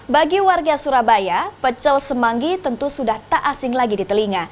bagi warga surabaya pecel semanggi tentu sudah tak asing lagi di telinga